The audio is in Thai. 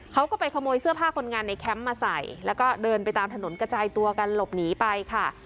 เขาก็ไปขโมยเสื้อผ้าคนงานในแคมป์มาใส่แล้วก็เดินไปตามถนนกระจายตัวกันหลบหนีไปค่ะ